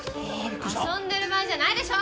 遊んでる場合じゃないでしょ！